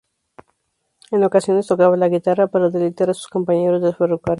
En ocasiones, tocaba la guitarra para deleitar a sus compañeros del ferrocarril.